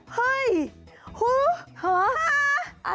เฮ้ยฮือฮ่า